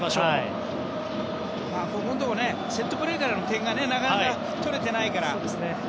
このところセットプレーから点が取れてないから。